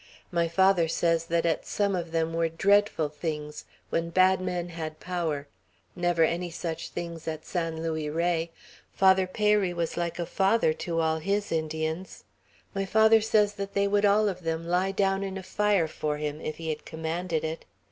"My father says that at some of them were dreadful things, when bad men had power. Never any such things at San Luis Rey. Father Peyri was like a father to all his Indians. My father says that they would all of them lie down in a fire for him, if he had commanded it.